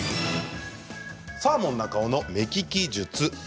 サーモン中尾の目利き術です。